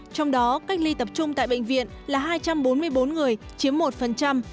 trong đó cách ly tập trung tại bệnh viện là hai trăm bốn mươi bốn người chiếm một